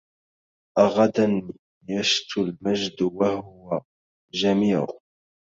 أغدا يشت المجد وهو جميع